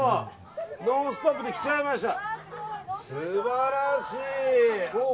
「ノンストップ！」で来ちゃいました。